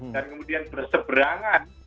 dan kemudian berseberangan